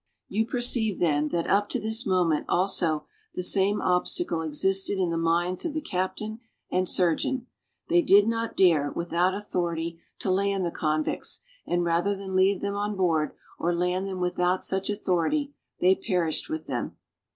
You perceive, then, that up to this moment also the same obstacle existed in the minds of the captain and surgeon. They did not dare, without authority, to land the convicts, and rather than leave them on board, or land them without such authority, they perished with them.